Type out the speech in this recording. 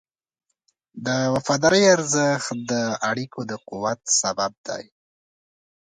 د وفادارۍ ارزښت د اړیکو د قوت سبب دی.